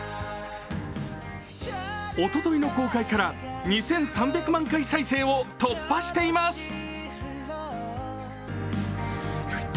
おとといの公開から２３００万回再生を突破しています。